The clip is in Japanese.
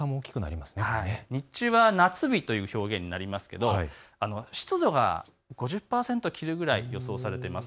日中は夏日という表現になりますけれども湿度が５０％を切るぐらいで予想されています。